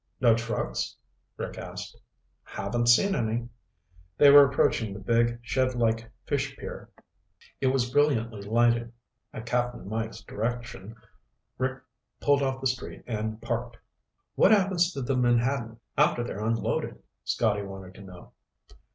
"No trucks?" Rick asked. "Haven't seen any." They were approaching the big, shedlike fish pier. It was brilliantly lighted. At Cap'n Mike's direction, Rick pulled off the street and parked. "What happens to the menhaden after they're unloaded?" Scotty wanted to know.